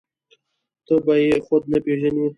ته به يې خود نه پېژنې.